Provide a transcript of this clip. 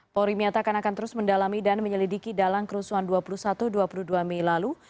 polri menyatakan akan terus mendalami dan menyelidiki dalam kerusuhan dua puluh satu dua puluh dua mei lalu